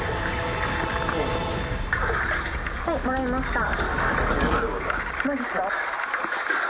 はいもらいました。